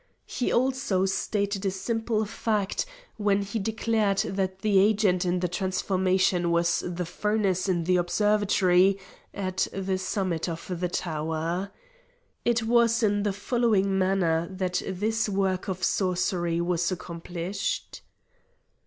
He also stated a simple fact when he declared that the agent in the transformation was the furnace in the observatory at the summit of the tower. It was in the following manner that this work of sorcery was accomplished.